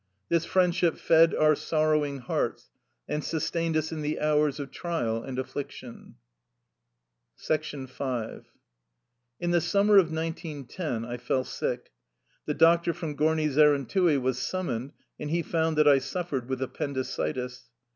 This friendship fed our sorrowing hearts, and sustained us in the hours of trial and afuiction. In the summer of 1910 I fell sick. The doctor from Gorni Zerentui was summoned, and he found that I suffered with appendicitis.